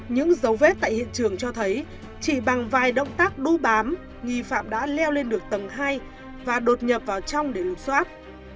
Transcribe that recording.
những dấu vết tại hiện trường cho thấy chỉ bằng vài động tác đu bám nghi phạm đã leo lên được tầng hai và đột nhập vào trong để lục xoát